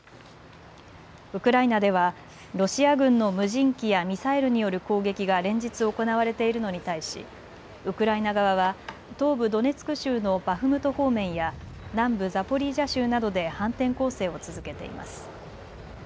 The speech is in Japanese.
ウクライナではロシア軍の無人機やミサイルによる攻撃が連日行われているのに対しウクライナ側は東部ドネツク州のバフムト方面や南部ザポリージャ州などで反転攻勢を続けています。